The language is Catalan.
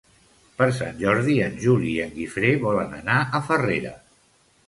Per Sant Jordi en Juli i en Guifré volen anar a Farrera.